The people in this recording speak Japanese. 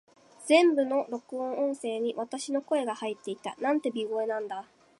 全部の収録音声に、私の声が入っていた。なんて美声なんだ。